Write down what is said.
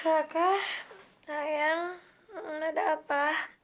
raka sayang ada apa